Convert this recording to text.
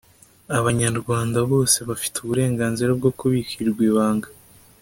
Abanyarwanda bose bafite uburenganzira bwo kubikirwa ibanga.